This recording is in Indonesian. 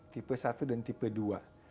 tipe satu dan tipe dua